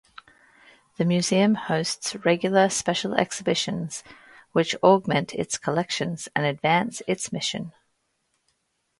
The Museum hosts regular special exhibitions which augment its collections and advance its mission.